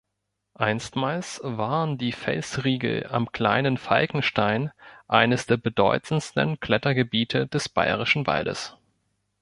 Einstmals waren die Felsriegel am Kleinen Falkenstein eines der bedeutendsten Klettergebiete des Bayerischen Waldes.